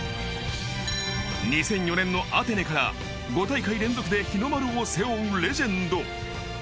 ２００４年のアテネから５大会連続で日の丸を背負うレジェンド。